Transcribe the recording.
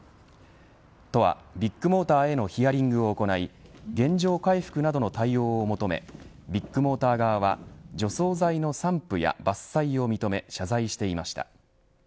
都は、ビッグモーターへのヒアリングを行い原状回復などの対応を求めビッグモーター側は除草剤の散布や伐採を認め謝罪していました。